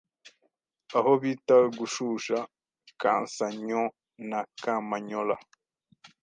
Aho bitta Gashusha, Kansanyo na Kamanyola